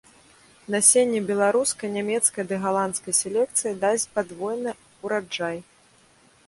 Насенне беларускай, нямецкай ды галандскай селекцыі дасць падвойны ўраджай.